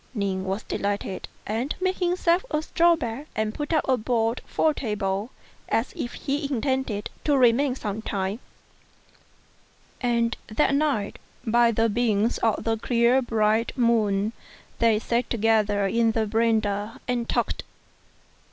Ning was delighted, and made himself a straw bed, and put up a board for a table, as if he intended to remain some time : and that night, by the beams of the clear bright moon, they sat together in the verandah and talked.